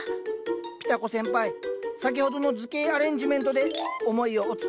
ピタ子先輩先ほどの図形アレンジメントで思いをお伝え下さい。